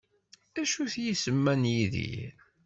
D acu-t yisem-a n Yidir?